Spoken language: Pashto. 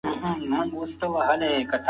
اقتصاد پوهانو وویل چې د خلکو عاید باید ډېر سي.